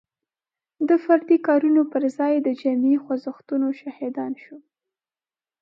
د فردي کارونو پر ځای د جمعي خوځښتونو شاهدان شو.